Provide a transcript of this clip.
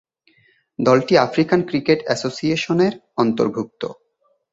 দলটি African cricket অ্যাসোসিয়েশনের অন্তর্ভুক্ত।